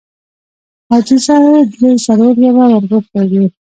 حاجي ظاهر درې څلور ځله ورغوښتی دی.